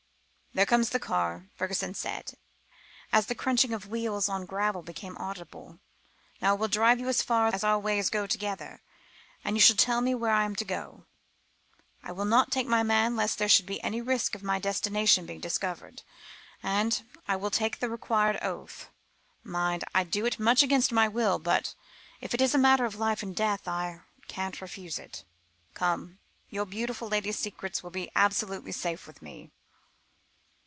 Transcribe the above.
"There comes the car," Fergusson said, as the crunching of wheels on gravel became audible; "now I will drive you as far as our ways go together, and you shall tell me where I am to go. I will not take my man, lest there should be any risk of my destination being discovered. And I will take the required oath. Mind I do it much against my will, but, if it is a matter of life and death, I can't refuse it. Come your beautiful lady's secrets will be absolutely safe with me."